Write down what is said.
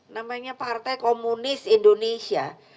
namanya partai komunis indonesia